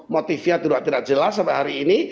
motifnya tidak jelas sampai hari ini